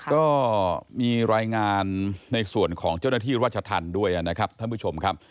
ก็มีรายงานในส่วนของเจ้าหน้าที่ราชธรรมด้วยนะครับท่านผู้ชมครับ